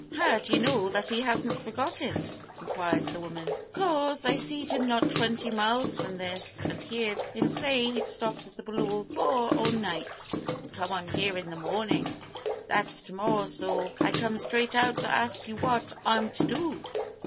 "How d'ye know that he hasn't forgot it?" inquired the woman. "'Cause, I seed him not twenty miles from this, and heerd him say he'd stop at the Blue Boar all night, and come on here in the morning that's to morrow so I come straight out to ask you wot I'm to do."